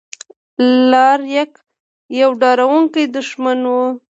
الاریک یو ډاروونکی دښمن و.